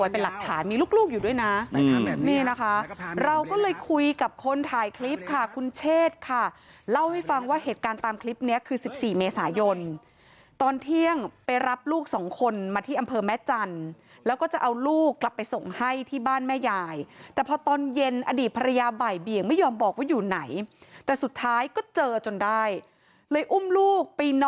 เป็นหลักฐานมีลูกอยู่ด้วยนะนี่นะคะเราก็เลยคุยกับคนถ่ายคลิปค่ะคุณเชษค่ะเล่าให้ฟังว่าเหตุการณ์ตามคลิปเนี้ยคือ๑๔เมษายนตอนเที่ยงไปรับลูกสองคนมาที่อำเภอแม่จันทร์แล้วก็จะเอาลูกกลับไปส่งให้ที่บ้านแม่ยายแต่พอตอนเย็นอดีตภรรยาบ่ายเบี่ยงไม่ยอมบอกว่าอยู่ไหนแต่สุดท้ายก็เจอจนได้เลยอุ้มลูกปีน